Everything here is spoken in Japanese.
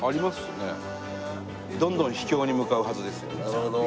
なるほど。